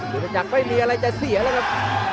ยุทธจักรไม่มีอะไรจะเสียแล้วครับ